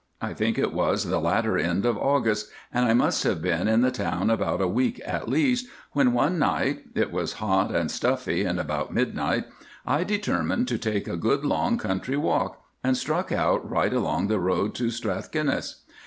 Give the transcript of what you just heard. I think it was the latter end of August, and I must have been in the town about a week at least, when one night—it was hot and stuffy, and about midnight—I determined to take a good long country walk, and struck out right along the road to Strathkinness.